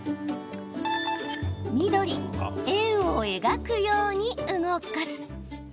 緑・円を描くように動かす。